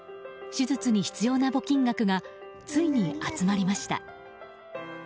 手術に必要な募金額がついに集まりました。